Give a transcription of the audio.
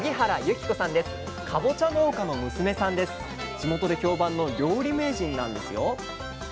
地元で評判の料理名人なんですよ。